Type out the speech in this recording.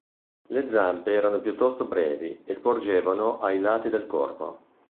Le zampe erano piuttosto brevi e sporgevano ai lati del corpo.